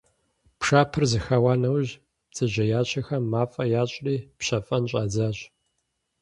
Пшапэр зэхэуа нэужь, бдзэжьеящэхэм мафӀэ ящӀри, пщэфӀэн щӀадзащ.